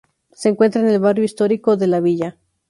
Se encuentra en el barrio histórico de "La Villa".